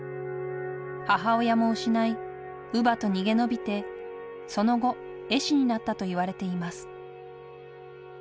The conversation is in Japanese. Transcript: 母親も失い乳母と逃げ延びてその後絵師になったといわれています